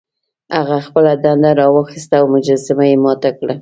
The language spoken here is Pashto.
هغه خپله ډنډه راواخیسته او مجسمه یې ماته کړه.